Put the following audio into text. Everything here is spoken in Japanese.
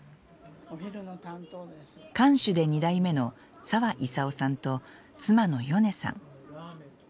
館主で２代目の澤功さんと妻のヨネさん。